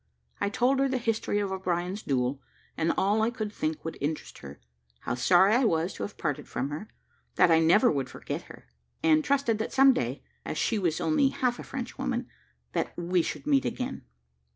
I told her the history of O'Brien's duel, and all I could think would interest her; how sorry I was to have parted from her; that I never would forget her; and trusted that some day, as she was only half a Frenchwoman, that we should meet again.